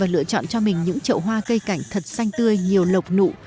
lựa chọn cho mình những trậu hoa cây cảnh thật xanh tươi nhiều lộc nụ